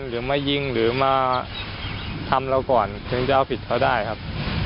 หรือมายิงหรือมาทำเราก่อนถึงจะเอาผิดเขาได้ครับ